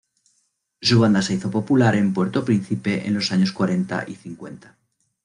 Su banda se hizo popular en Puerto Príncipe en los años cuarenta y cincuenta.